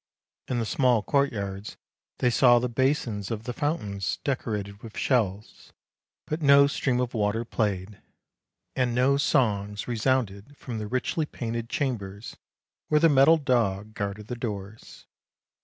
In the small courtyards they saw the basins of the fountains decorated with shells, but no stream of water played, and no songs re sounded from the richly painted chambers where the metal dog guarded the doors.